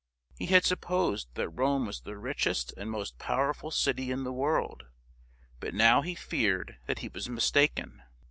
He had supposed that Rome was the richest and most powerful city in the world; but now he feared that he was mistaken.